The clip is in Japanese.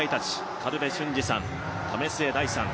苅部俊二さん、為末大さん。